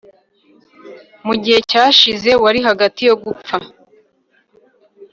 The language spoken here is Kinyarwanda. mugihe cyashize wari hagati yogupfa